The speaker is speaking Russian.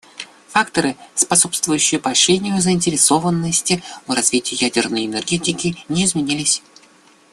Факторы, способствующие поощрению заинтересованности в развитии ядерной энергетики, не изменились.